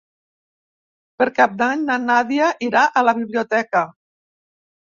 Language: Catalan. Per Cap d'Any na Nàdia irà a la biblioteca.